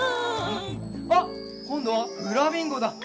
あっこんどはフラミンゴだ！